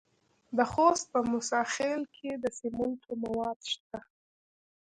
د خوست په موسی خیل کې د سمنټو مواد شته.